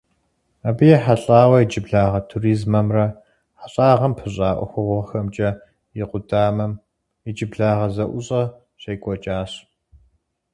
Абы ехьэлӀауэ иджыблагъэ туризмэмрэ хьэщӀагъэм пыщӀа ӀуэхугъуэхэмкӀэ и къудамэм иджыблагъэ зэӀущӀэ щекӀуэкӀащ.